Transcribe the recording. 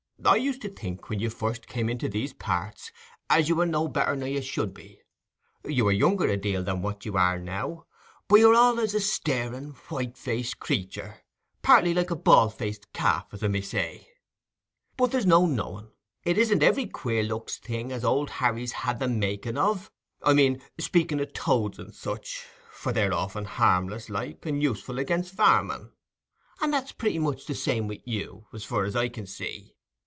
I used to think, when you first come into these parts, as you were no better nor you should be; you were younger a deal than what you are now; but you were allays a staring, white faced creatur, partly like a bald faced calf, as I may say. But there's no knowing: it isn't every queer looksed thing as Old Harry's had the making of—I mean, speaking o' toads and such; for they're often harmless, like, and useful against varmin. And it's pretty much the same wi' you, as fur as I can see.